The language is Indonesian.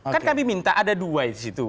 kan kami minta ada dua disitu